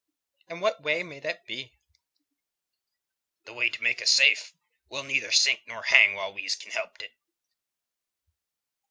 "And what way may that be?" "The way to make us safe. We'll neither sink nor hang whiles we can help it."